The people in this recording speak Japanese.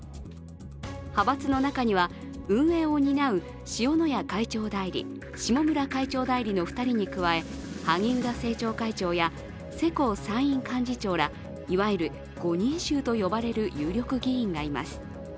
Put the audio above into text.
派閥の中には、運営を担う塩谷会長代理、下村会長代理の２人に加え、萩生田政調会長や世耕参院幹事長らいわゆる５人衆と呼ばれる有力議員がいます。